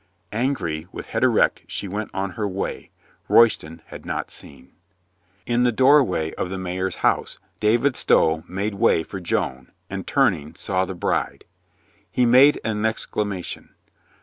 Angry, with head erect, she went on her way. Royston had not seen. In the doorway of the mayor's house, David Stow made way for Joan, and, turning, saw the bride. He made an exclamation.